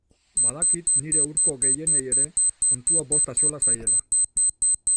Badakit nire hurko gehienei ere kontua bost axola zaiela.